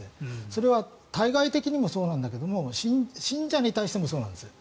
それは対外的にもそうなんだけど信者に対してもそうなんです。